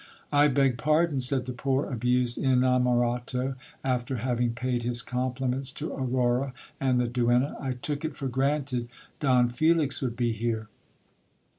I beg pardon said the poor abused inamorato, after having paid his compliments to Aurora and the Duenna I took it for granted Don Felix would be here.